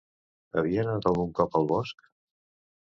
Havien anat algun cop al bosc?